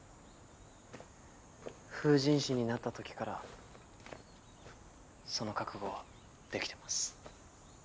封刃師になった時からその覚悟はできてます